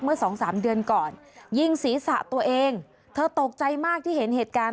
สองสามเดือนก่อนยิงศีรษะตัวเองเธอตกใจมากที่เห็นเหตุการณ์